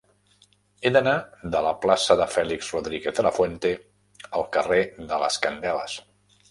He d'anar de la plaça de Félix Rodríguez de la Fuente al carrer de les Candeles.